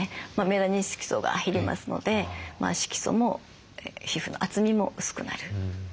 メラニン色素が減りますので色素も皮膚の厚みも薄くなる。